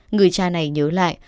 người cha này nhớ lại